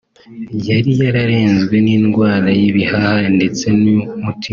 yari yararenzwe n’indwara y’ibihaha ndetse n’umutima